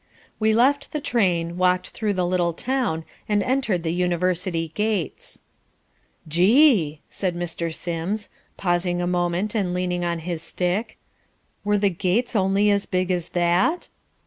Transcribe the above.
We left the train, walked through the little town and entered the university gates. "Gee!" said Mr. Sims, pausing a moment and leaning on his stick, "were the gates only as big as that?"